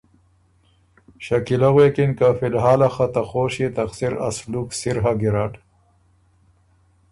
شکیلۀ غوېکِن که فی الحاله خه ته خوشيې ته خسِر ا سلوک سِر هۀ ګیرډ